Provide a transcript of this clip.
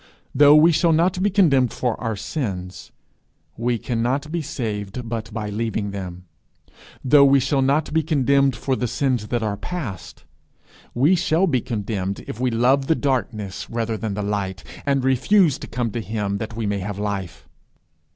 Though we shall not be condemned for our sins, we cannot be saved but by leaving them; though we shall not be condemned for the sins that are past, we shall be condemned if we love the darkness rather than the light, and refuse to come to him that we may have life.